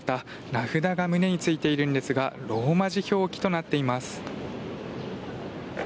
名札が胸に付いているんですがローマ字表記となっています。